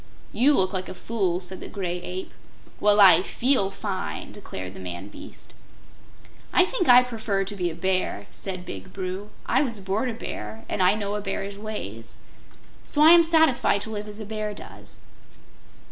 "You look like a fool," said the Gray Ape. "Well, I FEEL fine!" declared the man beast. "I think I prefer to be a Bear," said Big Bru. "I was born a Bear, and I know a Bear's ways. So I am satisfied to live as a Bear lives."